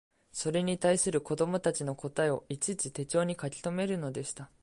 それに対する子供たちの答えをいちいち手帖に書きとめるのでした